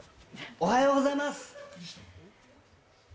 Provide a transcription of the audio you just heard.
おはようございます。